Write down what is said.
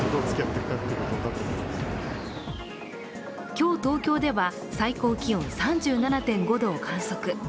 今日、東京では最高気温３７．５度を観測。